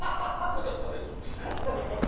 また食べるっていう。